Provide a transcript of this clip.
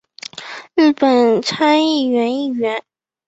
日本参议院议员。